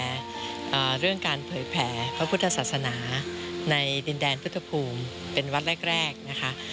อ่าเรื่องการเผยแผ่พระพุทธศาสนาในดินแดนพุทธภูมิเป็นวัดแรกแรกนะคะ